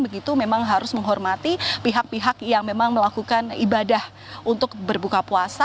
begitu memang harus menghormati pihak pihak yang memang melakukan ibadah untuk berbuka puasa